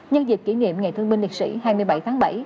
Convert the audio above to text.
nhân dịch kỷ niệm ngày thương minh liệt sĩ hai mươi bảy tháng bảy